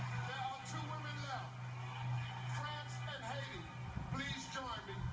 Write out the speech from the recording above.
ฝรั่งเศสนักศึกษาสุดท้าย